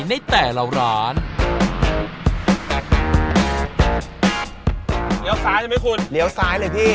เดี๋ยวซ้ายใช่ไหมคุณเรียวซ้ายเลยพี่